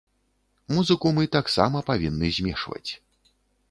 Музыку мы таксама павінны змешваць.